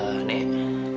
sikit aja di trakasi bisa